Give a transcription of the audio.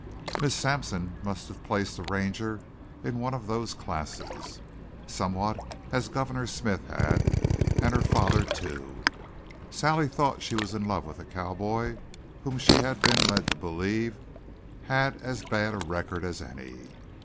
Miss Sampson must have placed the Rangers in one of those classes, somewhat as Governor Smith had, and her father, too. Sally thought she was in love with a cowboy whom she had been led to believe had as bad a record as any.